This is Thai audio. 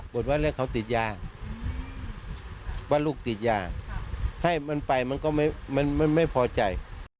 บทวันเลือดเขาติดยางว่าลูกติดยางให้มันไปมันก็ไม่พอใจ